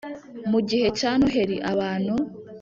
Mu gihe cya Noheli abantu